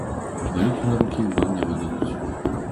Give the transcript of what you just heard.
Валюту на рукі вам не выдадуць!